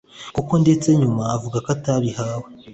koko ndetse nyuma avuga ko atabihawe